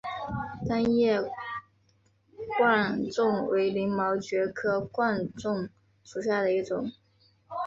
单叶贯众为鳞毛蕨科贯众属下的一个种。